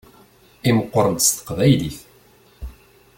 Imeqqeṛ-d s teqbaylit.